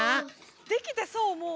できてそうもう！